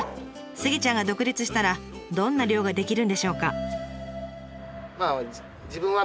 スギちゃんが独立したらどんな漁ができるんでしょうか？